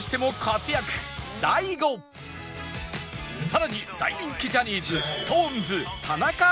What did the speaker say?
更に大人気ジャニーズ ＳｉｘＴＯＮＥＳ 田中樹